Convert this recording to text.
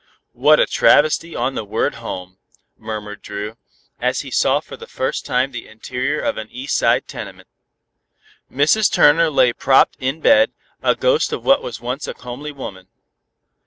"What a travesty on the word 'home,'" murmured Dru, as he saw for the first time the interior of an East Side tenement. Mrs. Turner lay propped in bed, a ghost of what was once a comely woman.